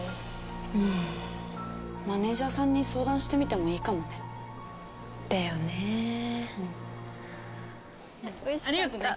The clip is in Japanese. うーんマネージャーさんに相談してみてもいいかもねだよねーありがとね